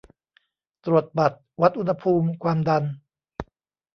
ตรวจบัตร วัดอุณหภูมิความดัน